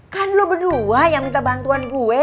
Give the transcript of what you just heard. kan lo berdua yang minta bantuan gue